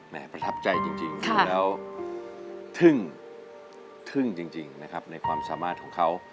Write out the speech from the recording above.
ประทับใจจริงแล้วทึ่งทึ่งจริงนะครับในความสามารถของเขา